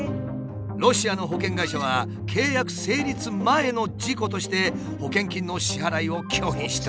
ロシアの保険会社は契約成立前の事故として保険金の支払いを拒否したのだ。